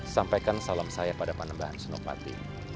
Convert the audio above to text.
sampaikan salam saya pada panembahan senopati